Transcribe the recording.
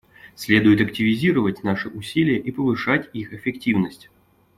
Следует активизировать наши усилия и повышать их эффективность.